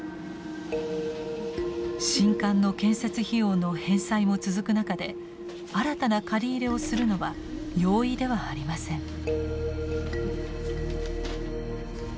新館の建設費用の返済も続く中で新たな借り入れをするのは容易ではありません。